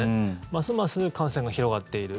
ますます感染が広がっている。